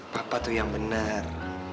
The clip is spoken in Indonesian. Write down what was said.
papa tuh yang bener